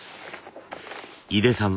井手さん